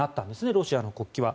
ロシアの国旗は。